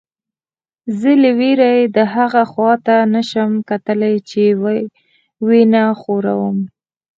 زه له وېرې دهغه خوا ته نه شم کتلی چې ویې نه ښوروم.